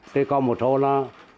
thế còn một số là